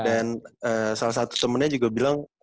dan salah satu temannya juga bilang